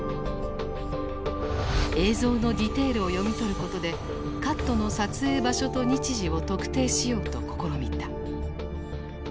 映像のディテールを読み取ることでカットの撮影場所と日時を特定しようと試みた。